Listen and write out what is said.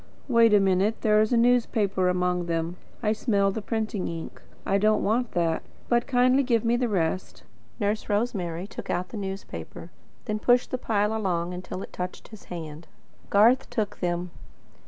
"Wait a minute. There is a newspaper among them. I smell the printing ink. I don't want that. But kindly give me the rest." Nurse Rosemary took out the newspaper; then pushed the pile along, until it touched his hand. Garth took them.